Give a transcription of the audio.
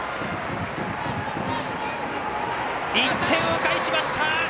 １点を返しました！